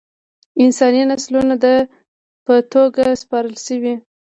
انساني نسلونه ده ته په توګه سپارل شوي.